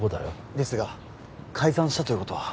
ですが改ざんしたということは